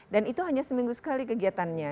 dan itu hanya seminggu sekali kegiatannya